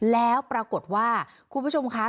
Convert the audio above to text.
แล้วปรากฏว่าคุณผู้ชมคะ